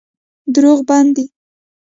دروغ بد دی.